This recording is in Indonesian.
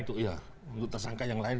untuk tersangka yang lain